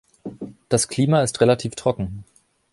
Das Klima ist relativ trocken.